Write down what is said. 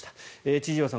千々岩さん